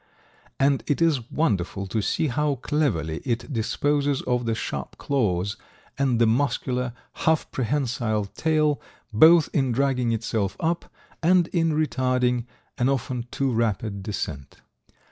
And it is wonderful to see how cleverly it disposes of the sharp claws and the muscular, half prehensile tail, both in dragging itself up and in retarding an often too rapid descent.